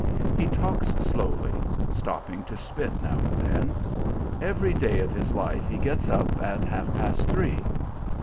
He talks slowly, stopping to spit now and then; every day of his life he gets up at half past three.